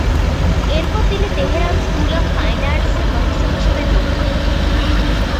এরপর তিনি Tehran school of fine আর্টসে প্রফেসর হিসেবে যোগ দেন।